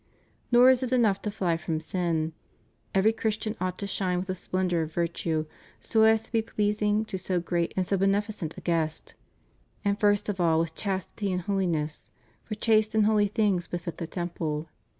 ^ Nor is it enough to fly from sin; every Christian ought to shine with the splendor of virtue so as to be pleasing to so great and so beneficent a guest: and first of all with chastity and holi ness, for chaste and holy things befit the temple.